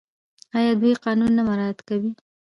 آیا دوی قانون نه مراعات کوي؟